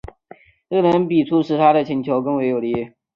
这种个人笔触使他的请求更为有力。